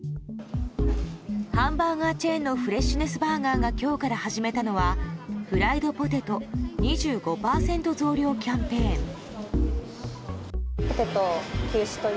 ハンバーガーチェーンのフレッシュネスバーガーが今日から始めたのはフライドポテト２５％増量キャンペーン。